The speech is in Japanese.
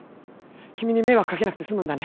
君に迷惑かけなくて済むんだね。